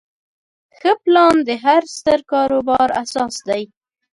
ښه پلان د هر ستر کاروبار اساس دی.